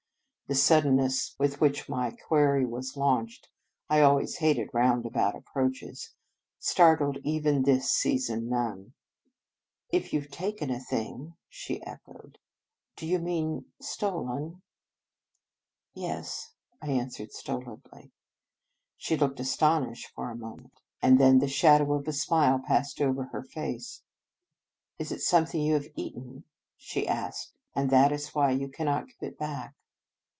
The suddenness with which my query was launched (I always hated roundabout approaches) startled even this seasoned nun. " If you ve taken a thing," she echoed. " Do you mean stolen?" " Yes," I answered stolidly. She looked astonished for a mo 101 In Our Convent Days ment, and then the shadow of a smile passed over her face. "Is it some thing you have eaten ?" she asked, " and that is why you cannot give it back?"